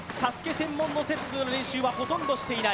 専門のセットでの練習はほとんどしていない。